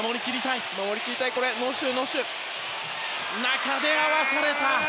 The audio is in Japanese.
中で合わされた。